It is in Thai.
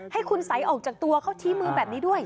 ให้คุณสัยออกจากตัวเขาชี้มือแบบนี้ด้วย